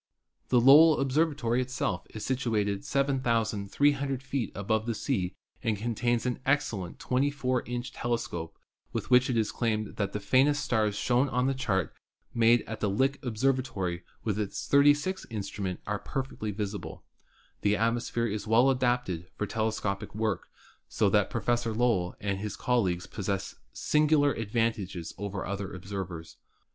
The Lowell ob servatory itself is situated 7,300 feet above the sea and 184 ASTRONOMY contains an excellent 24 inch telescope with which it is claimed that the faintest stars shown on the chart made at the Lick Observatory with a 36 inch instrument are perfectly visible. The atmosphere is well adapted for telescopic work, so that Professor Lowell and his col leagues possess singular advantages over other observers.